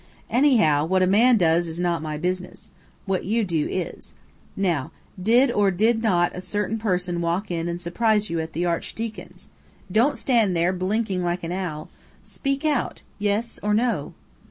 "Anyhow, what a man does is not my business. What you do, is. Now, did or did not a certain person walk in and surprise you at the Archdeacon's? Don't stand there blinking like an owl. Speak out. Yes or no?"